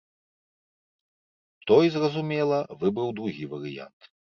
Той, зразумела, выбраў другі варыянт.